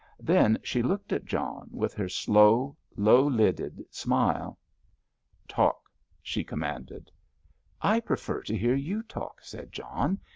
Then she looked at John with her slow, low lidded smile. "Talk," she commanded. "I prefer to hear you talk," said John.